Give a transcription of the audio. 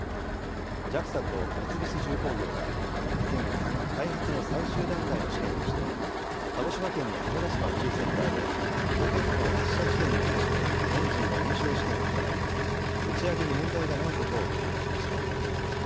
ＪＡＸＡと三菱重工業は先月、開発の最終段階の試験として、鹿児島県の種子島宇宙センターで、ロケットを発射地点に移してエンジンの燃焼試験を行い、打ち上げに問題がないことを確認しました。